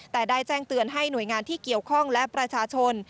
แต่ได้แจ้งเตือนให้หน่วยงานที่เกี่ยวข้องและประชาชน